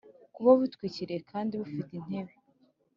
kuba butwikiriye kandi bufite intebe